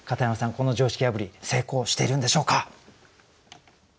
この常識破り成功してるんでしょうか？